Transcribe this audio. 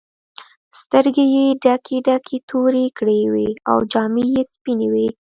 سترګې یې ډکې ډکې تورې کړې وې او جامې یې سپینې وې.